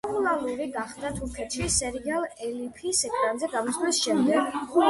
პოპულარული გახდა თურქეთში სერიალ „ელიფის“ ეკრანებზე გამოსვლის შემდეგ.